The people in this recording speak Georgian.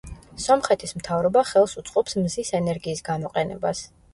სომხეთის მთავრობა ხელს უწყობს მზის ენერგიის გამოყენებას.